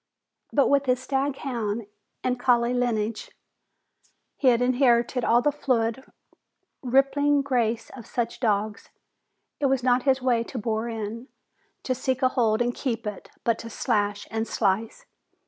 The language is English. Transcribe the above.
But with his staghound and collie lineage, he had inherited all the fluid, rippling grace of such dogs. It was not his way to bore in, to seek a hold and keep it, but to slash and slice.